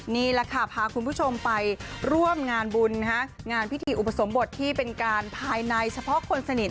นี่แหละค่ะพาคุณผู้ชมไปร่วมงานบุญนะฮะงานพิธีอุปสมบทที่เป็นการภายในเฉพาะคนสนิท